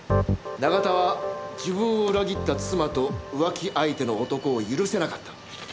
永田は自分を裏切った妻と浮気相手の男を許せなかった。